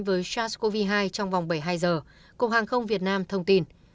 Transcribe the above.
với sars cov hai trong vòng bảy mươi hai giờ cục hàng không việt nam thông tin